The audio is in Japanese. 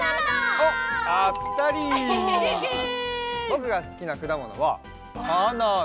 ぼくがすきなくだものはバナナ！